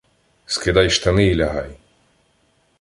— Скидай штани і лягай!